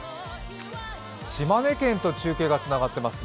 島根県と中継がつながってます。